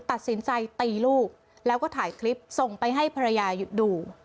ตัดสินใจตีลูกแล้วก็ถ่ายคลิปส่งไปให้ภรรยาหยุดดู